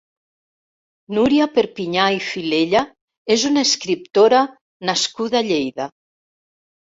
Núria Perpinyà i Filella és una escriptora nascuda a Lleida.